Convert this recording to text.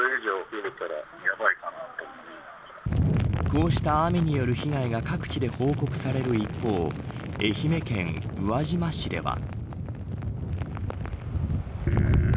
こうした雨による被害が各地で報告される一方愛媛県宇和島市では。